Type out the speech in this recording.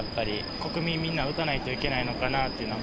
国民みんな打たないといけないのかなというのは。